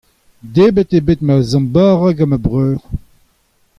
debret eo bet ma zamm bara gant ma breur.